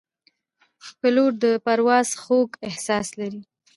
پیلوټ د پرواز خوږ احساس لري.